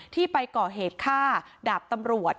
ที่ไปก่อเหตุฆ่าดาบตำรวจ